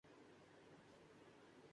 یہ راستہ کدھر جاتا ہے